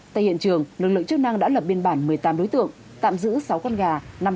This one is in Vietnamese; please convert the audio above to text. tại hiện trường lực lượng chức năng đã lập biên bản một mươi tám đối tượng tạm giữ sáu con gà